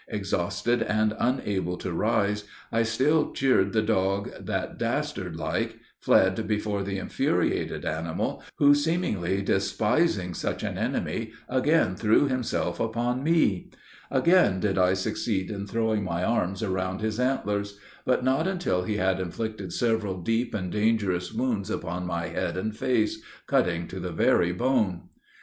Exhausted, and unable to rise, I still cheered the dog, that, dastard like, fled before the infuriated animal, who, seemingly despising such an enemy, again threw himself upon me. Again did I succeed in throwing my arms around his antlers, but not until he had inflicted several deep and dangerous wounds upon my head and face, cutting to the very bone.